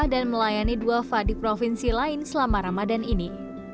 dan melayani duah pah di provinsi lain selama ramadan ini